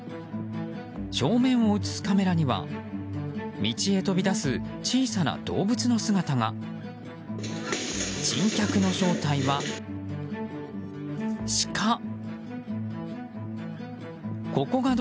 正面を映すカメラには道へ飛び出す小さな動物の姿が。